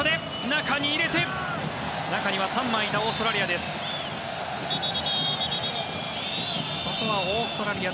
中には３枚いたオーストラリア。